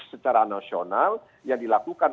secara nasional yang dilakukan